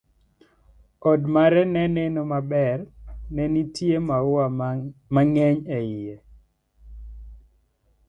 Her room looked beautiful, there were many flowers in it.